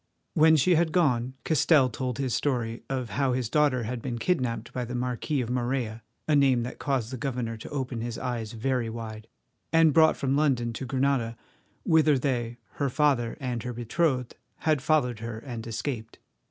When she had gone, Castell told his story of how his daughter had been kidnapped by the Marquis of Morella, a name that caused the governor to open his eyes very wide, and brought from London to Granada, whither they, her father and her betrothed, had followed her and escaped.